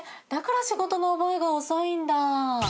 だから仕事の覚えが遅いんだ。